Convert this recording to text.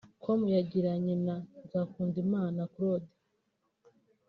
com yagiranye na Nzakundimana Claude